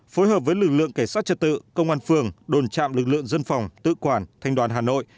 phối hợp với lực lượng cảnh sát trật tự công an phường đồn trạm lực lượng dân phòng tự quản thanh đoàn hà nội